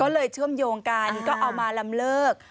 ก็เลยเชื่อมโยงกันก็เอามาลำเลิก